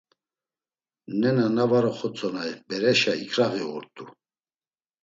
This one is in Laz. Nena na var oxotzonay bereşa iǩraği uğurt̆u.